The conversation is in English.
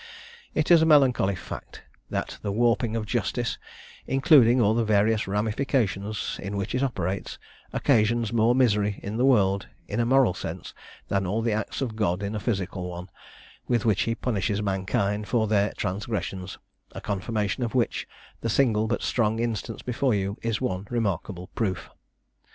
"It is a melancholy fact, that the warping of justice, including all the various ramifications in which it operates, occasions more misery in the world, in a moral sense, than all the acts of God in a physical one, with which he punishes mankind for their transgressions; a confirmation of which, the single, but strong, instance before you is one remarkable proof.